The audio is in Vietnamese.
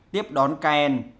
tiếp đón cayenne